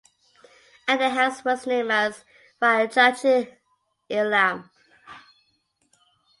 And their house was name as "Rajaji Illam".